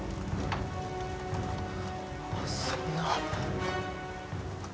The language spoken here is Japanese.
そんな！